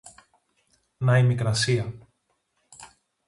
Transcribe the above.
Να η Μικρασία.